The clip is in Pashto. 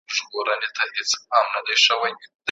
زه پاچا یم د ځنګله د ښکرورو